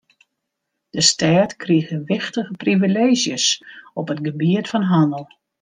De stêd krige wichtige privileezjes op it gebiet fan hannel.